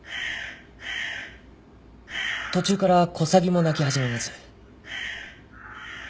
途中からコサギも鳴き始めます。